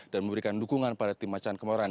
dan memberikan dukungan pada tim macan kemoran